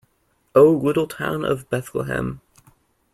O little town of Bethlehem.